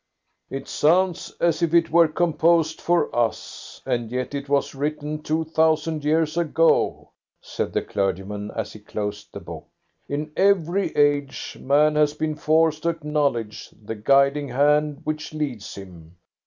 "It sounds as if it were composed for us, and yet it was written two thousand years ago," said the clergyman, as he closed the book. "In every age man has been forced to acknowledge the guiding hand which leads him.